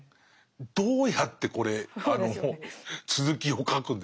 どうやってこれ続きを書くんですか？